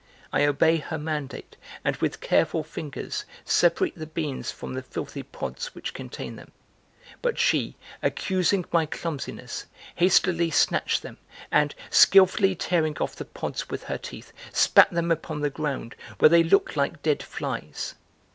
I obey her mandate and with careful fingers separate the beans from the filthy pods which contain them; but she, accusing my clumsiness, hastily snatched them and, skillfully tearing off the pods with her teeth, spat them upon the ground, where they looked like dead flies.